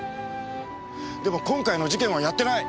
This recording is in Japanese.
でも今回の事件はやってない。